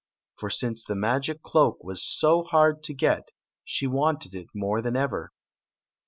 For since the magic cloak was so hard to get she wanted it more than ever.